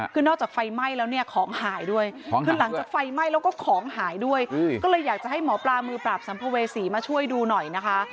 คือนอกจากไฟไหม้แล้วเนี่ยของหายด้วยคือหลังจากไฟไหม้แล้วก็ของหายด้วยก็เลยอยากจะให้หมอปลามือปราบสัมภเวษีมาช่วยดูหน่อยนะคะ